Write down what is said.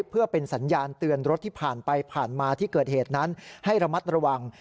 เพื่อเป็นสัญญาณเตือนรถที่ผ่านไปผ่านมาที่เกิดเหตุนั้นให้ระมัดระวัง